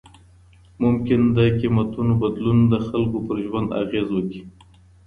ممکن د قیمتونو بدلون د خلګو پر ژوند اغیز وکړي.